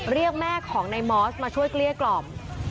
เรียกแม่ของในมอสมาช่วยเกลี้ยกล่อม